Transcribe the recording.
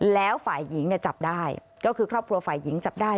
แล้วฝ่ายหญิงเนี่ยจับได้ก็คือครอบครัวฝ่ายหญิงจับได้